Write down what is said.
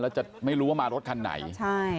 แล้วจะไม่รู้ว่ามารถคันไหนใช่